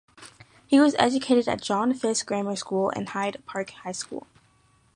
He was educated at John Fiske Grammar School and Hyde Park High School.